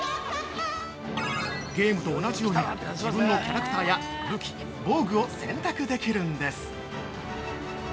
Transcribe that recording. ゲームと同じように自分のキャラクターや武器・防具を選択できるんです。